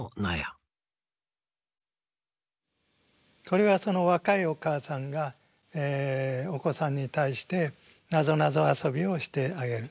これは若いお母さんがお子さんに対してなぞなぞ遊びをしてあげる。